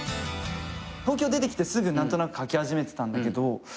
東京出てきてすぐ何となく書き始めてたんだけど。